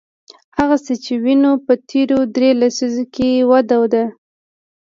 هغه څه چې وینو په تېرو درې لسیزو کې وده ده.